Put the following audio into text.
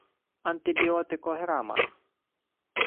антибіотикограма